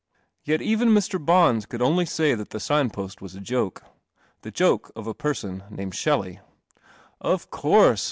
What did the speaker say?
Yet even Mr. Bons could only say that the sign p t was a joke — the joke of a person named Shelley. "Of course!"